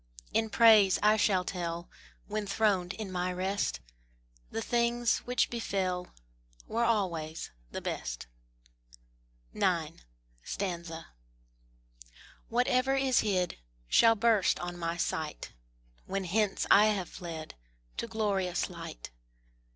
In praise I shall tell, When throned in my rest, The things which befell Were always the best. IX. Whatever is hid Shall burst on my sight When hence I have fled To glorious light.